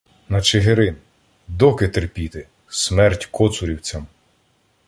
— На Чигирин! Доки терпіти?! Смерть коцурівцям!